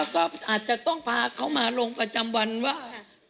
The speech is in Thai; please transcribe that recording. ก็อาจจะต้องพาเขามาลงประจำวันว่า